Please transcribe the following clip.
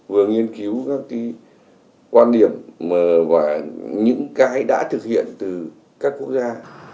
vừa nghiên cứu các cái quan điểm và những cái đã thực hiện từ các quốc gia